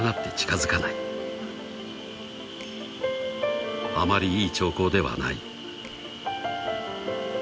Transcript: ［あまりいい兆候ではない］